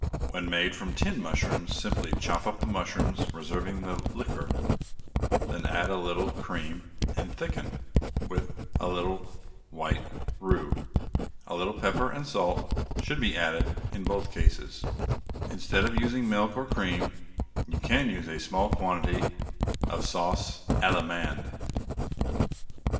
When made from tinned mushrooms, simply chop up the mushrooms, reserving the liquor, then add a little cream and thicken with a little white roux. A little pepper and salt should be added in both cases. Instead of using either milk or cream, you can use a small quantity of sauce Allemande.